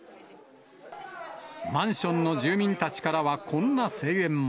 マンションの住民たちからは、こんな声援も。